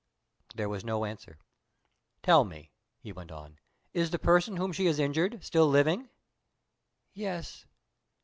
There was no answer. "Tell me," he went on, "is the person whom she has injured still living?" "Yes."